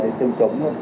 đi tiêm chủng